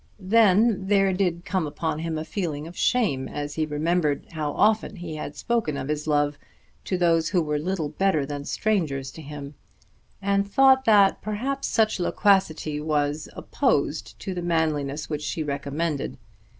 Then there did come upon him a feeling of shame as he remembered how often he had spoken of his love to those who were little better than strangers to him, and thought that perhaps such loquacity was opposed to the manliness which she recommended.